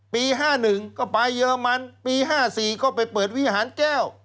๕๑ก็ไปเยอรมันปี๕๔ก็ไปเปิดวิหารแก้ว